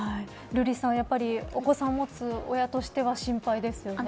瑠麗さん、お子さんを持つ親としては、心配ですよね。